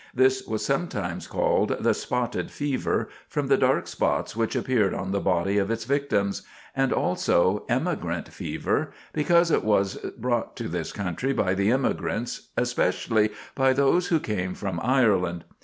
This was sometimes called the "Spotted Fever," from the dark spots which appeared on the body of its victims, and also "Emigrant Fever," because it was brought to this country by the immigrants, especially by those who came from Ireland.